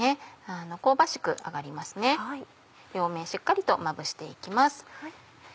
両面しっかりとまぶして行きます。